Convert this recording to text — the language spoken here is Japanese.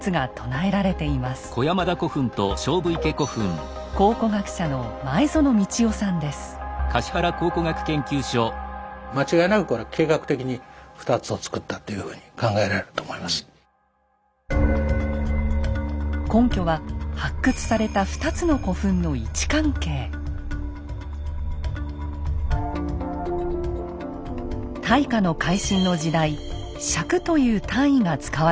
大化の改新の時代「尺」という単位が使われていました。